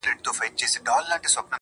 • نورو ته مي شا کړې ده تاته مخامخ یمه.